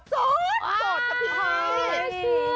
โสดพล